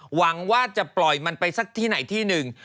หวังว่าจะปล่อยมันไปสักที่ไหนที่หนึ่ง